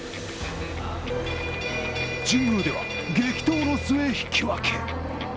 神宮では激闘の末、引き分け。